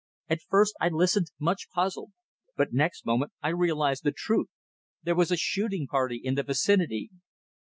At first I listened much puzzled; but next moment I realised the truth. There was a shooting party in the vicinity!